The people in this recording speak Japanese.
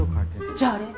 じゃああれ？